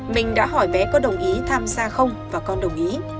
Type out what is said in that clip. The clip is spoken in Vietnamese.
mình đã hỏi bé có đồng ý tham gia không và con đồng ý